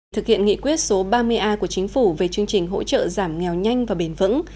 thực hiện nghị quyết số ba mươi a của chính phủ về chương trình hỗ trợ giảm nghèo nhanh và bền vững